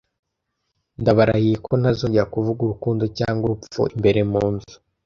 Ndabarahiye ko ntazongera kuvuga urukundo cyangwa urupfu imbere mu nzu,